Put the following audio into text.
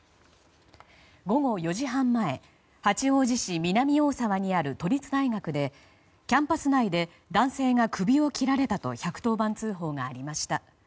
午後４時半前八王子市南大沢にある都立大学で、キャンパス内で男性が首を切られたと１１０番通報がありました。